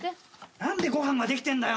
何でご飯ができてんだよ。